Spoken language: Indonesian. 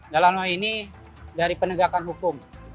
dalam hal ini dari penegakan hukum